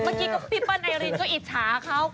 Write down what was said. เมื่อกี้ผี้ปัญไอรี่ก็อิชาเขา